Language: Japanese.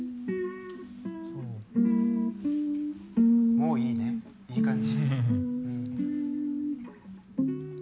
もういいねいい感じ。